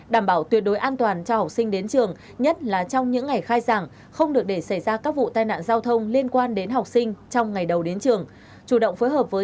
đảm bảo tuyệt đối an toàn cho học sinh đến trường nhất là trong những ngày khai giảng không được để xảy ra các vụ tai nạn giao thông liên quan đến học sinh trong ngày đầu đến trường